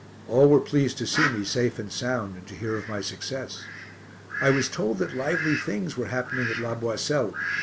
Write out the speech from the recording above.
All were pleased to see me safe and sound, and to hear of my success. I was told that lively things were happening at La Boisselle.